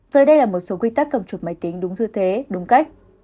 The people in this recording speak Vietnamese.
giới đây là một số quy tắc cầm chuột máy tính đúng thư thế đúng cách